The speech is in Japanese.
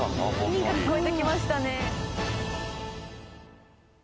何人か聞こえてきましたね。